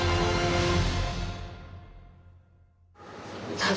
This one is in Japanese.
さあ